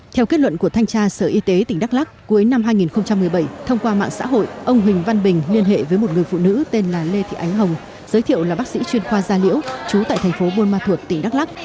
theo kết luận của thanh tra sở y tế tỉnh đắk lắc cuối năm hai nghìn một mươi bảy thông qua mạng xã hội ông huỳnh văn bình liên hệ với một người phụ nữ tên là lê thị ánh hồng giới thiệu là bác sĩ chuyên khoa gia liễu trú tại thành phố buôn ma thuột tỉnh đắk lắc